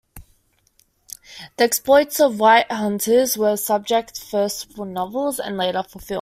The exploits of white hunters were subjects first for novels and later for films.